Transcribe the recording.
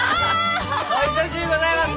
お久しゅうございます！